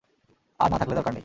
আর না থাকলে দরকার নেই।